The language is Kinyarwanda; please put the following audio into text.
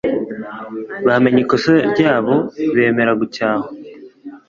Bamenya ikosa zyabo bemera gucyahwa;